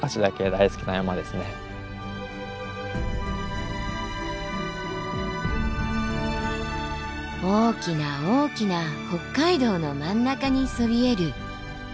大きな大きな北海道の真ん中にそびえる十勝岳。